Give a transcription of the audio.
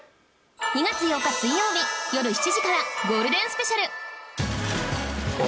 ２月８日水曜日よる７時からゴールデンスペシャル